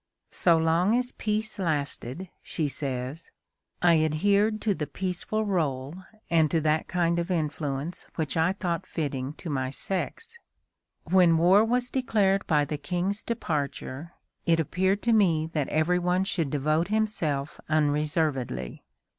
"So long as peace lasted," she says, "I adhered to the peaceful rôle and to that kind of influence which I thought fitting to my sex; when war was declared by the King's departure, it appeared to me that every one should devote himself unreservedly.